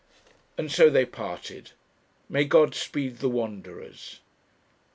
And so they parted. May God speed the wanderers!